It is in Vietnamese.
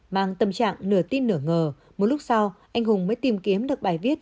mang tâm trạng nửa tin nửa ngờ một lúc sau anh hùng mới tìm kiếm được bài viết